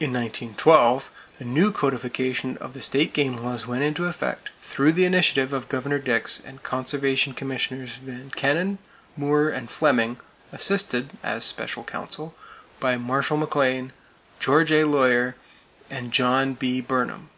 In 1912 a new codification of the state game laws went into effect, through the initiative of Governor Dix and Conservation Commissioners Van Kennen, Moore and Fleming, assisted (as special counsel) by Marshall McLean, George A. Lawyer and John B. Burnham.